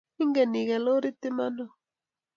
Inge iget lorit iman ooh